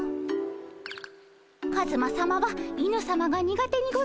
カズマさまは犬さまが苦手にございますからねえ。